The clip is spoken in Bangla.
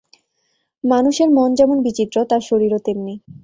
মানুষের মন যেমন বিচিত্র, তার শরীরও তেমনি।